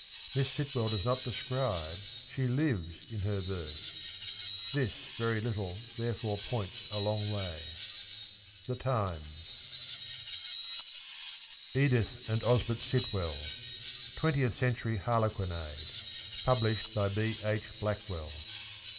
Miss Sitwell does not describe, she lives in her verse. This very little therefore points a long way. — The Times. 10: Edith and Osbert Sitwell. 20th CENTURY HARLEQUINADE. Published by B. H. Blackwell.